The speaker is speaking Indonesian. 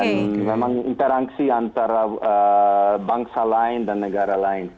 dan memang interaksi antara bangsa lain dan negara lain